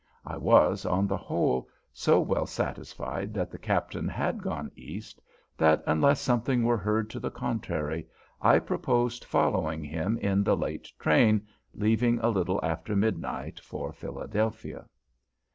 I was, on the whole, so well satisfied that the Captain had gone East, that, unless something were heard to the contrary, I proposed following him in the late train leaving a little after midnight for Philadelphia.